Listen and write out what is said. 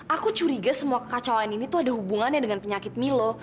aku curiga semua kekacauan ini tuh ada hubungannya dengan penyakit milo